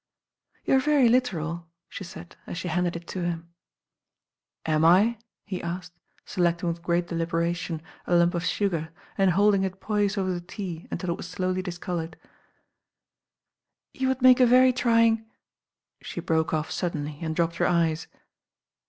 "You're very literal," she said, as she handed it to him. 198 THE BAIN GIRL Am I? he asked, selecting with great delibera tion a lump of sugar, and holding it poised over the tea until it was slowly discoloured "You would make a very trying " ,he broke off suddenly and dropped her eyes.